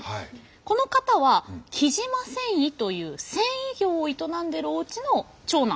この方は雉真繊維という繊維業を営んでいるおうちの長男。